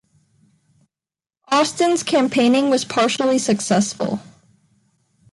Austin's campaigning was partially successful.